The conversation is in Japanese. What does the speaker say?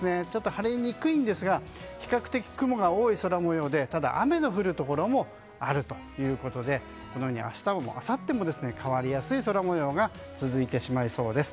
晴れにくいんですが比較的、雲が多い空模様でただ、雨の降るところもあるということでこのように明日もあさっても変わりやすい空模様が続いてしまいそうです。